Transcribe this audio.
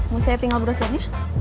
mau saya tinggal berusaha nih